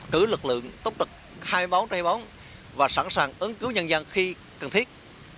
cử lực lượng tốc độc hai mươi bốn hai mươi bốn và sẵn sàng ứng cứu nhân dân khi cần thiết